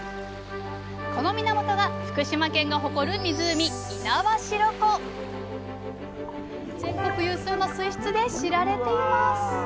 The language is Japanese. この源が福島県が誇る湖全国有数の水質で知られています。